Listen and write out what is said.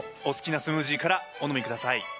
お好きなスムージーからお飲みください。